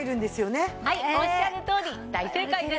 はいおっしゃるとおり大正解です。